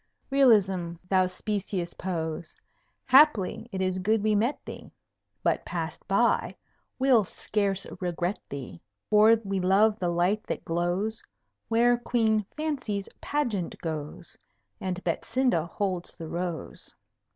Realism, thou specious pose! Haply it is good we met thee; But, passed by, we'll scarce regret thee; For we love the light that glows Where Queen Fancy's pageant goes, And Betsinda holds the Rose.